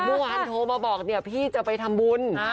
เมื่อวานโทรมาบอกเนี่ยพี่จะไปทำบุญ